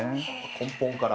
根本から。